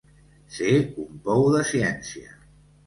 Ser un pou de ciència.